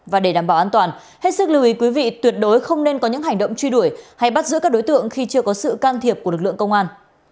và để đảm bảo an toàn hết sức lưu ý quý vị tuyệt đối không nên có những hành động truy đuổi hay bắt giữ các đối tượng khi chưa có sự can thiệp của lực lượng công an